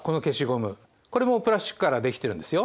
これもプラスチックからできてるんですよ。